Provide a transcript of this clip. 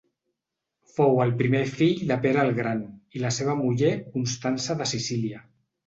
Fou el primer fill de Pere el Gran i la seva muller Constança de Sicília.